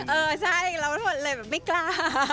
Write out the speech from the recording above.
เราทุกคนไม่กล้า